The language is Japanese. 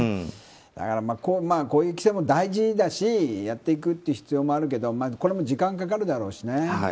だからこういう規制も大事だしやっていく必要もあるけどこれも時間がかかるだろうしね。